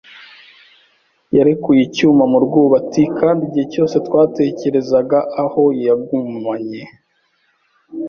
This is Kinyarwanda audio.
yarekuye icyuma mu rwubati; kandi igihe cyose twategerezaga aho yagumanye